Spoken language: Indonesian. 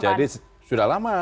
jadi sudah lama